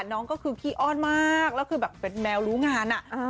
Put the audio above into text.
น้องก็คือขี้อ้อนมากแล้วคือแบบเป็นแมวรู้งานอะ